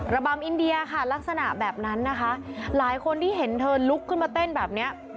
ระบำอินเดียค่ะลักษณะแบบนั้นนะคะหลายคนที่เห็นเธอลุกขึ้นมาเต้นแบบเนี้ย